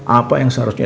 apa yang seharusnya